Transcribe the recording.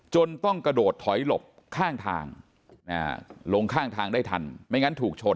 ต้องกระโดดถอยหลบข้างทางลงข้างทางได้ทันไม่งั้นถูกชน